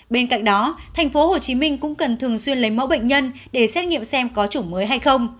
bên cạnh đó thành phố hồ chí minh cũng cần thường xuyên lấy mẫu bệnh nhân để xét nghiệm xem có chủ mới hay không